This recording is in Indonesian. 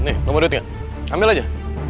nih lo mau duit gak ambil aja